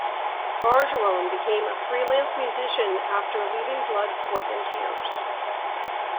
Bargeron became a freelance musician after leaving Blood, Sweat, and Tears.